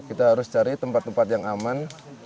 kita harus cari tempat tempat yang aman